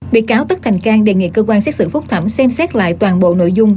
bị cáo tất thành cang đề nghị cơ quan xét xử phúc thẩm xem xét lại toàn bộ nội dung